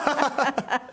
ハハハハ！